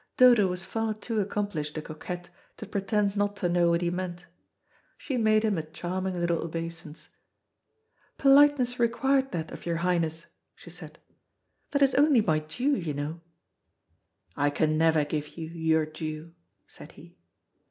Dodo was far too accomplished a coquette to pretend not to know what he meant. She made him a charming little obeisance. "Politeness required that of your Highness," she said. "That is only my due, you know." "I can never give you your due," said he.